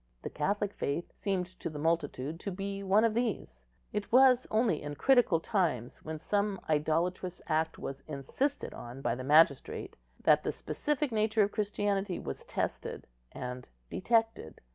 The Catholic faith seemed to the multitude to be one of these; it was only in critical times, when some idolatrous act was insisted on by the magistrate, that the specific nature of Christianity was tested and detected.